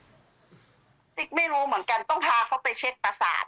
ติ๊กไม่รู้เหมือนกันต้องพาเขาไปเช็ดประสาท